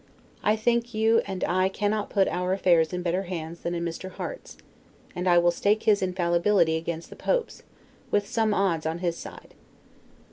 I think you and I cannot put our affairs in better hands than in Mr. Harte's; and I will stake his infallibility against the Pope's, with some odds on his side.